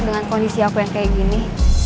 dengan kondisi aku yang kayak gini